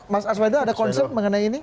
mas aswado ada konsep mengenai ini